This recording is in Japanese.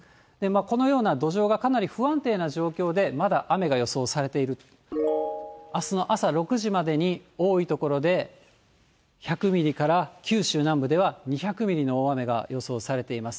このような土壌がかなり不安定な状況で、まだ雨が予想されていると、あすの朝６時までに、多い所で、１００ミリから、九州南部では２００ミリの大雨が予想されています。